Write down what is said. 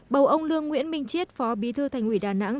bầu ông lương nguyễn minh chiết phó bí thư thành ủy đà nẵng